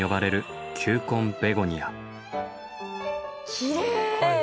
きれい！